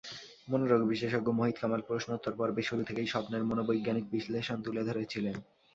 মনোরোগ বিশেষজ্ঞ মোহিত কামাল প্রশ্নোত্তর পর্বের শুরু থেকেই স্বপ্নের মনোবৈজ্ঞানিক বিশ্লেষণ তুলে ধরছিলেন।